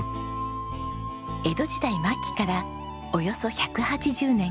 江戸時代末期からおよそ１８０年。